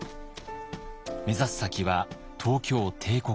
目指す先は東京帝国大学。